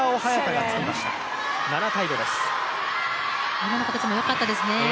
今の形もよかったですね。